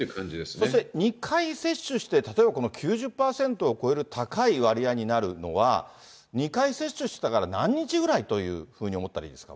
そして２回接種して、例えばこの９０％を超える高い割合になるのは、２回接種してから何日ぐらいというふうに思ったらいいんですか？